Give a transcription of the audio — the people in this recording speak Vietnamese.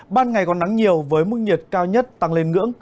ban ngày còn nắng nhiều với mức nhiệt cao nhất tăng lên ngưỡng